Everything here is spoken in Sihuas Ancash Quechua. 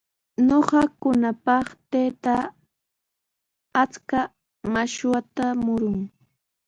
Ñuqakunapaq taytaa achka akshuta murun.